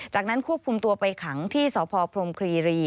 จากนั้นควบคุมตัวไปขังที่สพพรมครีรี